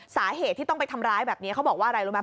สาเหตุที่ต้องไปทำร้ายแบบนี้เขาบอกว่าอะไรรู้ไหม